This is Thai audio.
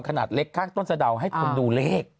ขนาดเล็กข้างต้นสะดาวให้คนดูเลข